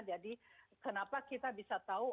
jadi kenapa kita bisa tahu